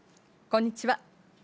こんにちは。